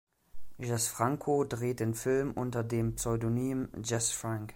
Jess Franco drehte den Film unter dem Pseudonym "Jess Frank".